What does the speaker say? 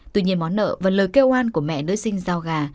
tuy nhiên món nợ và lời kêu oan của mẹ nữ sinh giao gà